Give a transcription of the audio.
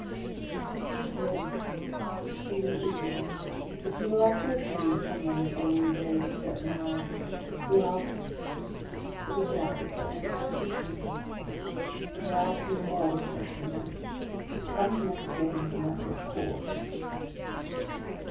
He receives notice the preceding evening that he will have to attend some one the following day, at a certain hour. He asks, "Is it for the Galleys or an execution?" and he asks no more respecting them, but comes next day as a matter of course.